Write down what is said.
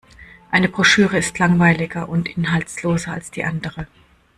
Eine Broschüre ist langweiliger und inhaltsloser als die andere.